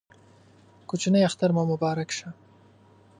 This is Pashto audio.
کوچینۍ اختر مو مبارک شه